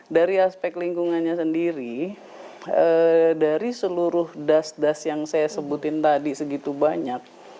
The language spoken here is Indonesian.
dari aspek lingkungannya sendiri dari seluruh das das yang saya sebutin tadi segitu banyak